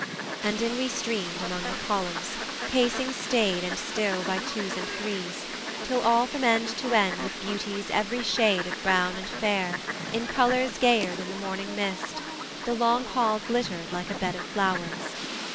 And in we streamed Among the columns, pacing staid and still By twos and threes, till all from end to end With beauties every shade of brown and fair In colours gayer than the morning mist, The long hall glittered like a bed of flowers.